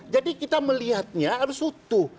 jadi kita melihatnya harus utuh